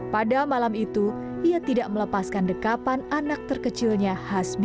pada malam itu ia tidak melepaskan dekapan anak terkecilnya hasbi